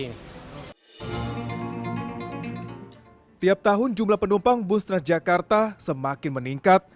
setiap tahun jumlah penumpang bus transjakarta semakin meningkat